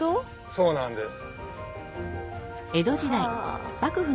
そうなんです。